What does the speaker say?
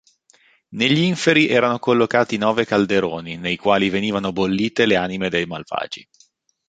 Negli inferi erano collocati nove calderoni, nei quali venivano bollite le anime dei malvagi.